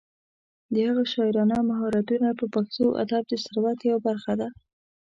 د هغه شاعرانه مهارتونه د پښتو ادب د ثروت یوه برخه ده.